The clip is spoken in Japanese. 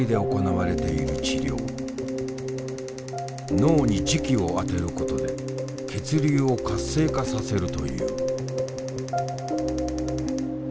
脳に磁気を当てることで血流を活性化させるという。